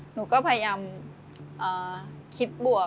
หนูก็พยายามคิดบวก